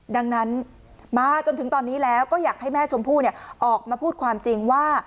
ดังนั้นมาจนถึงตอนนี้แล้วก็อยากให้แม่ชมพู่ออกมาพูดความจริงว่า